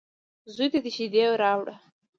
_زوی ته دې شېدې راوړه.